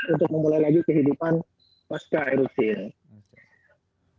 untuk memulai lagi kehidupan pasca erosi ini